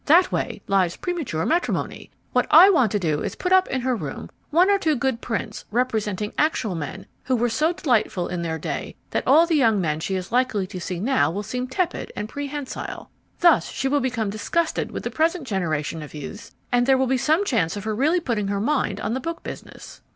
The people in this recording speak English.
"That way lies premature matrimony. What I want to do is put up in her room one or two good prints representing actual men who were so delightful in their day that all the young men she is likely to see now will seem tepid and prehensile. Thus she will become disgusted with the present generation of youths and there will be some chance of her really putting her mind on the book business."